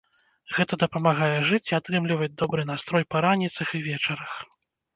Гэта дапамагае жыць і атрымліваць добры настрой па раніцах і вечарах.